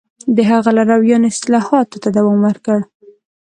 د هغه لارویانو اصلاحاتو ته دوام ورکړ